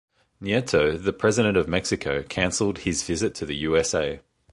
Nieto, the president of Mexico, cancelled his visit to the USA.